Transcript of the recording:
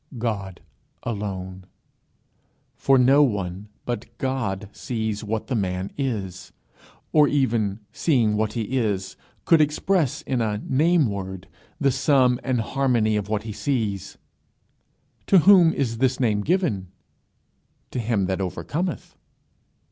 God alone. For no one but God sees what the man is, or even, seeing what he is, could express in a name word the sum and harmony of what he sees. To whom is this name given? To him that overcometh.